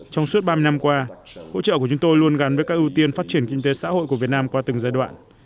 trong suốt ba mươi năm qua hỗ trợ của chúng tôi luôn gắn với các ưu tiên phát triển kinh tế xã hội của việt nam qua từng giai đoạn